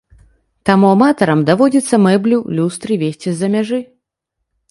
Таму аматарам даводзіцца мэблю, люстры везці з-за мяжы.